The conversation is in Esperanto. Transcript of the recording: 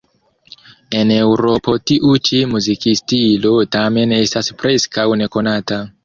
En Eŭropo tiu ĉi muzikstilo tamen estas preskaŭ nekonata.